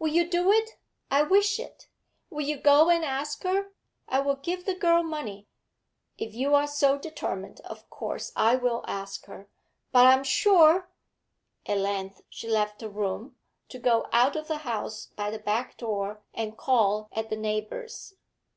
'Will you do it? I wish it. Will you go and ask her I will give the girl money.' 'If you are so determined, of course I will ask her. But I'm sure ' At length she left the room, to go out of the house by the back door and call at the neighbours'.